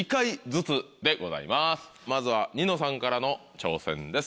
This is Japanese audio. まずはニノさんからの挑戦です。